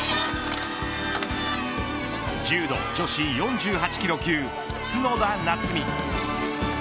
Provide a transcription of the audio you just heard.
柔道女子４８キロ級角田夏実。